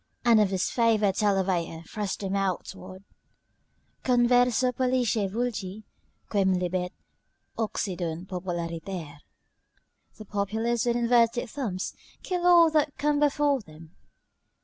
] and of disfavour to elevate and thrust them outward: "Converso pollice vulgi, Quemlibet occidunt populariter." ["The populace, with inverted thumbs, kill all that come before them."